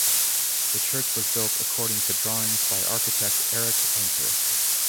The church was built according to drawings by architect Erik Anker.